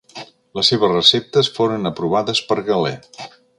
Les seves receptes foren aprovades per Galè.